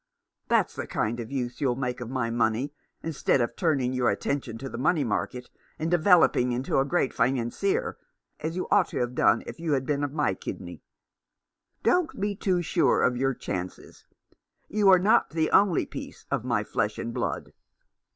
That's the kind of use you'll make of my money ; instead of turning your attention to the money market, and developing into a great financier — as you might have done if you had been of my kidney. Don't be too sure of your chances. You are not the only piece of my flesh and blood.